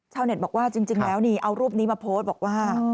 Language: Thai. เน็ตบอกว่าจริงแล้วนี่เอารูปนี้มาโพสต์บอกว่า